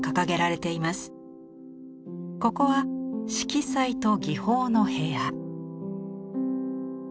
ここは「色彩と技法」の部屋。